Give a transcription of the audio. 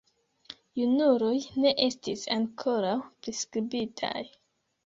Junuloj ne estis ankoraŭ priskribitaj.